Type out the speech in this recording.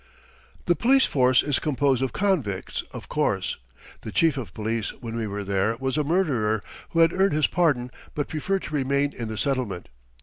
The police force is composed of convicts, of course. The chief of police when we were there was a murderer who had earned his pardon but preferred to remain in the settlement.